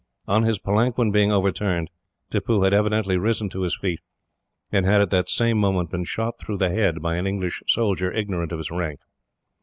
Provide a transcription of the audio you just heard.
On his palanquin being overturned, Tippoo had evidently risen to his feet, and had at the same moment been shot through the head by an English soldier, ignorant of his rank.